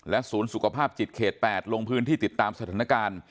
ศูนย์สุขภาพจิตเขต๘ลงพื้นที่ติดตามสถานการณ์